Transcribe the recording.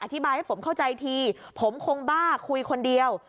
อธิบายให้ผมเข้าใจทีผมคงบ้าคุยคนเดียว